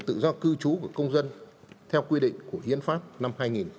tự do cư trú của công dân theo quy định của hiến pháp năm hai nghìn một mươi ba